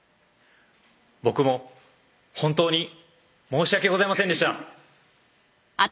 僕も本当に申し訳ございませんでした